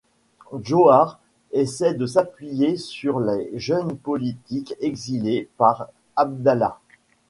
Djohar essaie de s’appuyer sur les jeunes politiques exilés par Abdallah.